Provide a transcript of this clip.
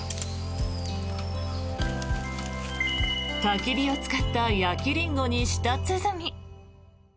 たき火を使った焼きリンゴに舌鼓。